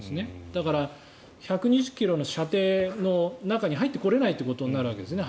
だから、１２０ｋｍの射程の中に入ってこれないということになるわけですね